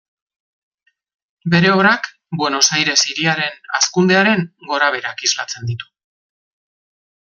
Bere obrak Buenos Aires hiriaren hazkundearen gorabeherak islatzen ditu.